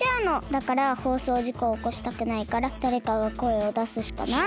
だからほうそうじこをおこしたくないからだれかがこえをだすしかない。